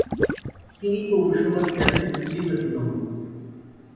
তিনি পোউরসভার চেয়ারম্যান নির্বাচিত হন।